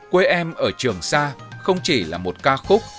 quê em ở trường sa không chỉ là một ca khúc